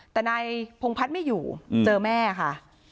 แต่นายพงพัฒน์ไม่อยู่เจอแม่ค่ะ